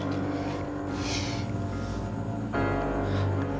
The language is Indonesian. aku masih tidak mencintai